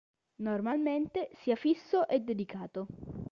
Normalmente sia fisso e dedicato.